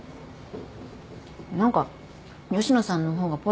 何か吉野さんの方がぽいですよね。